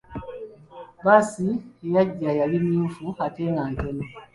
Bbaasi eyajja yali myufu ate nga ntono.